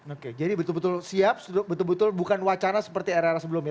oke jadi betul betul siap betul betul bukan wacana seperti era era sebelumnya